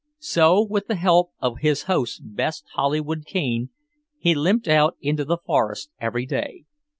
So, with the help of his host's best holly wood cane, he limped out into the forest every day.